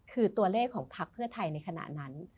คือตัวเลขของพักเพื่อไทยในขณะนั้น